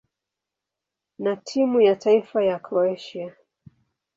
na timu ya taifa ya Kroatia.